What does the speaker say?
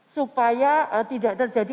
supaya tidak terjadi